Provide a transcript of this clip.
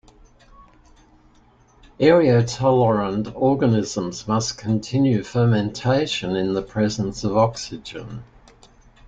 Aerotolerant organisms must continue fermentation in the presence of oxygen.